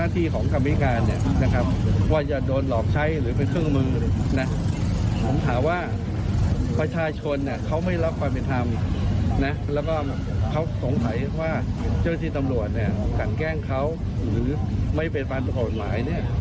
แต่ว่าประชาชนเขาไม่รับความเป็นธรรมและเขาสงสัยว่าเจ้าที่ตำรวจกันแกล้งเขาหรือไม่เป็นความเป็นการกฎหมาย